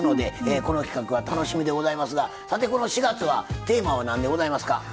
この企画は楽しみでございますが４月のテーマはなんでございますか？